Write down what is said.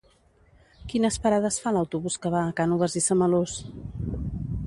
Quines parades fa l'autobús que va a Cànoves i Samalús?